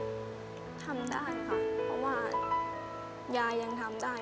ก็ทำได้ค่ะเพราะว่ายายยังทำได้